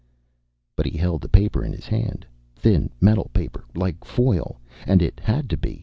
But he held the paper in his hand. Thin, metal paper. Like foil. And it had to be.